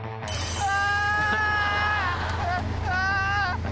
うわ！